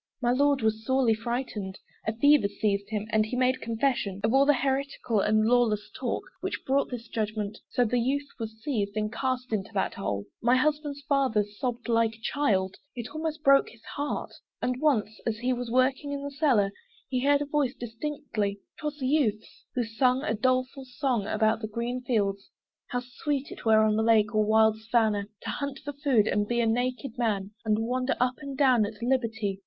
My Lord was sorely frightened; A fever seized him, and he made confession Of all the heretical and lawless talk Which brought this judgment: so the youth was seized And cast into that hole. My husband's father Sobbed like a child it almost broke his heart: And once as he was working in the cellar, He heard a voice distinctly; 'twas the youth's, Who sung a doleful song about green fields, How sweet it were on lake or wild savannah, To hunt for food, and be a naked man, And wander up and down at liberty.